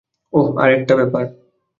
ওহ, আরেকটা ব্যাপার।